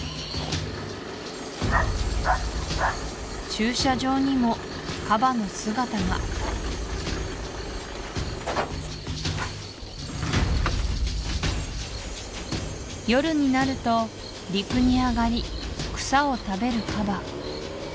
駐車場にもカバの姿が夜になると陸に上がり草を食べるカバ